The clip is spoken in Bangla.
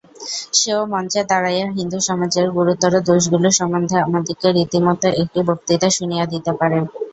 সেও মঞ্চে দাঁড়াইয়া হিন্দুসমাজের গুরুতর দোষগুলি সম্বন্ধে আমাদিগকে রীতিমত একটি বক্তৃতা শুনিয়া দিতে পারে।